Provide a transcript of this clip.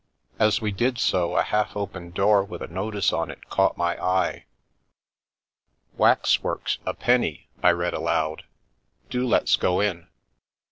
As we did so a half open door with a notice on it caught my eye. 44 Waxworks, a penny !" I read aloud. " Do let's go in!"